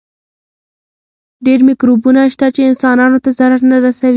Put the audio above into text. ډېر مکروبونه شته چې انسانانو ته ضرر نه رسوي.